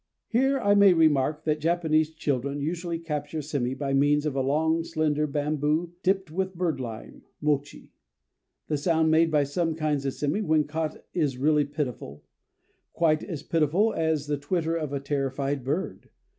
_" Here I may remark that Japanese children usually capture sémi by means of a long slender bamboo tipped with bird lime (mochi). The sound made by some kinds of sémi when caught is really pitiful, quite as pitiful as the twitter of a terrified bird.